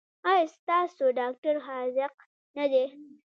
ایا ستاسو ډاکټر حاذق نه دی؟